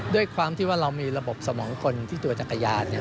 ด้วยความที่ว่าเรามีระบบสมองคนที่ตัวจักรยานเนี่ย